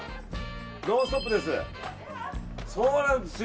「ノンストップ！」です。